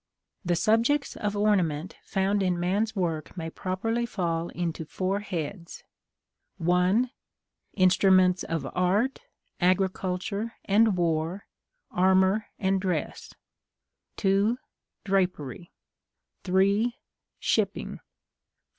The subjects of ornament found in man's work may properly fall into four heads: 1. Instruments of art, agriculture, and war; armor, and dress; 2. Drapery; 3. Shipping; 4.